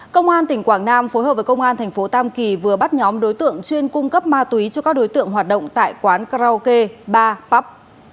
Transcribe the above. công an tỉnh quảng nam phối hợp với công an thành phố tam kỳ vừa bắt nhóm đối tượng chuyên cung cấp ma túy cho các đối tượng hoạt động tại quán karaoke ba pup